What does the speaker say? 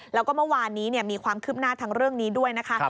แล้วก็เมื่อวานนี้มีความคืบหน้าทางเรื่องนี้ด้วยนะคะ